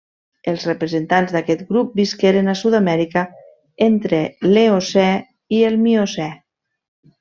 Els representants d'aquest grup visqueren a Sud-amèrica entre l'Eocè i el Miocè.